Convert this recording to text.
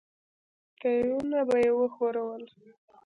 تيونه به يې وښورول.